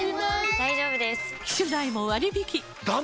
大丈夫です！